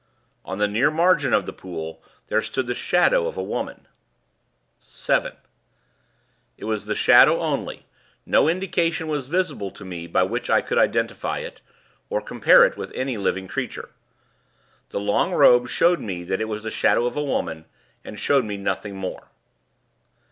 On the near margin of the pool there stood the Shadow of a Woman. "7. It was the shadow only. No indication was visible to me by which I could identify it, or compare it with any living creature. The long robe showed me that it was the shadow of a woman, and showed me nothing more.